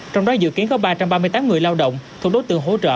trong đó dự kiến có ba trăm ba mươi tám người lao động thuộc đối tượng hỗ trợ